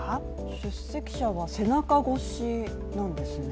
出席者は背中越しなんですね。